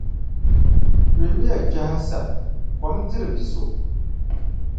Yulimiya kpɛha sa, kom diri biʼ so.